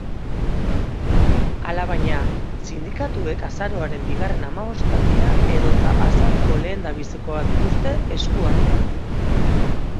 Alabaina, sindikatuek azaroaren bigarren hamabostaldia edota azaroko lehendabizikoa dituzte esku artean.